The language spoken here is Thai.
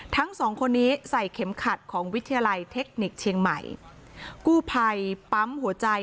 ทั้งสองคนนี้ใส่เข็มขัดของวิทยาลัยเทคนิคเชียงใหม่กู้ภัยปั๊มหัวใจ